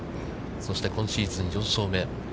そして、今シーズン４勝目。